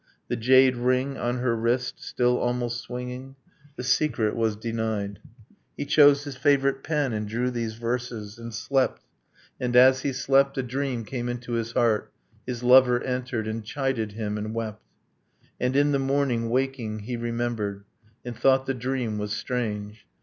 The jade ring on her wrist, still almost swinging? ... The secret was denied, He chose his favorite pen and drew these verses, And slept; and as he slept A dream came into his heart, his lover entered, And chided him, and wept. And in the morning, waking, he remembered, And thought the dream was strange.